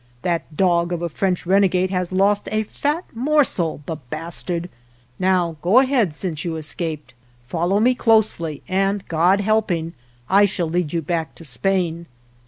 That dog of a French renegade has lost a fat morsel, the bastard ! Now, go ahead, since you escaped ; follow me closely, and, God helping, I shall lead you back to Spain."